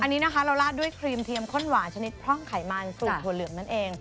อันนี้นะคะเราลาดด้วยครีมเทียมข้นหวานชนิดพร่องไขมันสูตรถั่วเหลืองนั่นเอง